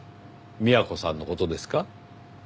美和子さんの事ですか？